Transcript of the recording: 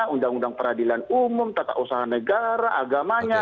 undang undang peradilan umum tata usaha negara agamanya